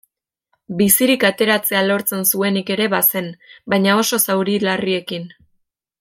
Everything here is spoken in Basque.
Bizirik ateratzea lortzen zuenik ere bazen, baina oso zauri larriekin.